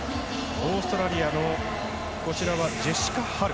オーストラリアのジェシカ・ハル。